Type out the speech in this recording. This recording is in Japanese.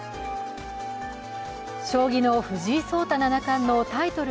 将棋の藤井聡太七冠のタイトル